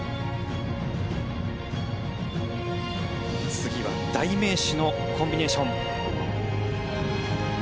次は代名詞のコンビネーション。